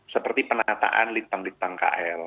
seperti penataan littang littang kl